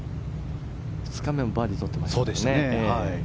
２日目もバーディーとってますから。